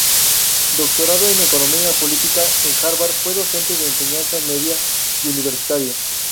Doctorado en economía política en Harvard, fue docente de enseñanza media y universitaria.